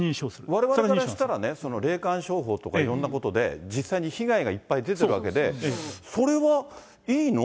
われわれからしたら、霊感商法とかいろんなことで、実際に被害がいっぱい出ているわけで、それはいいの？